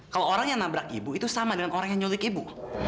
kalau orang yang nabrak ibu itu sama dengan orang yang nyuntik ibu